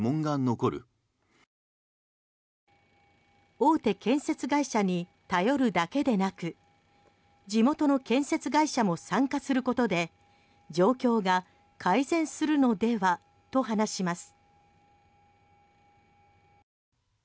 大手建設会社に頼るだけでなく地元の建設会社も参加することで状況が改善するのではと話します。